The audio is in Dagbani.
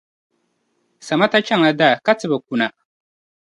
Samata chaŋla daa ka ti be kuna